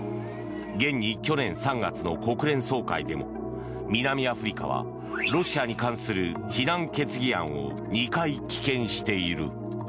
現に去年３月の国連総会でも南アフリカはロシアに関する非難決議案を２回棄権している。